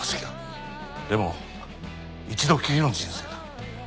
でも一度きりの人生だ。